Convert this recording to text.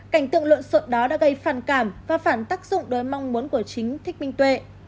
cảnh tượng luận sộn đó đã gây phàn cảm và phản tác dụng đối mong muốn của chính thích minh tuệ